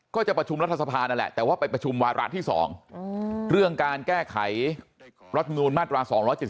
ก็จะประชุมรัฐสภานั่นแหละแต่ว่าไปประชุมวาระที่๒เรื่องการแก้ไขรัฐมนูลมาตรา๒๗๒